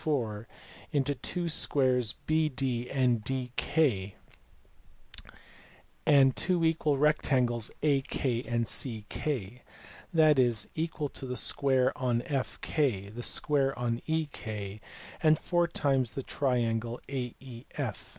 4 into two squares BK and DK and two equal rectangles AK and CK : that is, it is equal to the square on FK, the square on JEK, and four times the triangle AEF.